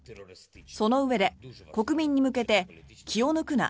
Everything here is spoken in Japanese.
そのうえで国民に向けて気を抜くな